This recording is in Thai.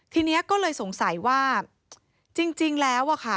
ทีนี้ก็เลยสงสัยว่าจริงแล้วอะค่ะ